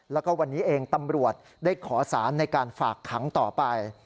แล้วก็วันนี้เองตำรวจได้ขอสารในการฝากขังต่อไป